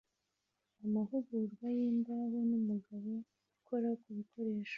amahugurwa yimbaho numugabo ukora kubikoresho